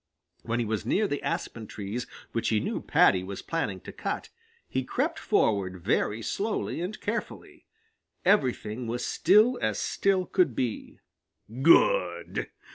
When he was near the aspen trees which he knew Paddy was planning to cut, he crept forward very slowly and carefully. Everything was still as still could be. "Good!"